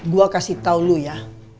gue kasih tau lu ya